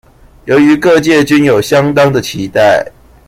由於各界均有相當的期待